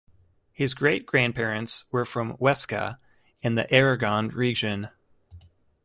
His great-grandparents were from Huesca, in the Aragon region.